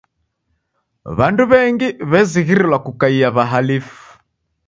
W'andu w'engi w'ezighirilwa kukaia w'ahalifu.